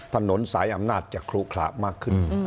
ถนนสายอำนาจจะคลุขระมากขึ้น